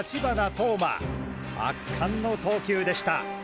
投馬圧巻の投球でした！